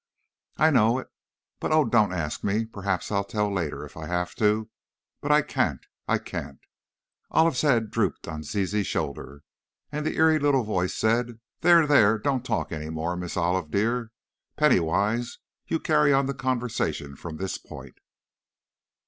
"I know it, but oh, don't ask me! Perhaps, I'll tell later, if I have to, but I can't I can't." Olive's head drooped on Zizi's shoulder, and the eerie little voice said, "There, there, don't talk any more now, Miss Olive, dear. Penny Wise, you carry on the conversation from this point."